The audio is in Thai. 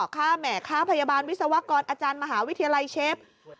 ค่าแหม่ค่าพยาบาลวิศวกรอาจารย์มหาวิทยาลัยเชฟ